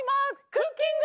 「クッキング」！